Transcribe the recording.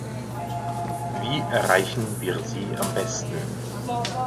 Wie erreichen wir sie am besten?